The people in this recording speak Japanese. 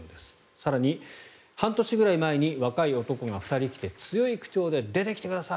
更に半年ぐらい前に若い男が２人来て強い口調で出てきてください